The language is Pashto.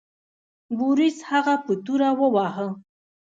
بوریس هغه په توره وواهه.